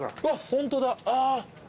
ホントだ。